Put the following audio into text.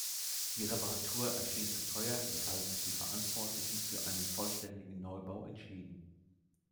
Die Reparatur erschien zu teuer, weshalb sich die Verantwortlichen für einen vollständigen Neubau entschieden.